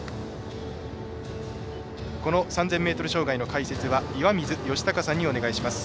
３０００ｍ障害の解説は岩水嘉孝さんにお願いします。